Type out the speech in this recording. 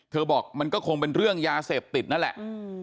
บอกมันก็คงเป็นเรื่องยาเสพติดนั่นแหละ